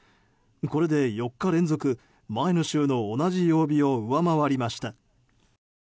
これで４日連続、前の週の同じ曜日を上回りました。